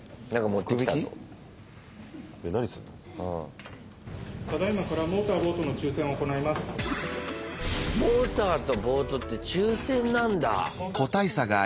モーターとボートって抽せんなんだ。